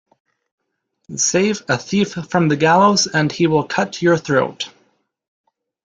Save a thief from the gallows and he will cut your throat.